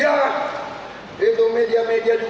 ya itu media media juga